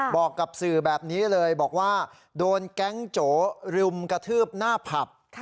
บอกกับสื่อแบบนี้เลยบอกว่าโดนแก๊งโจรุมกระทืบหน้าผับ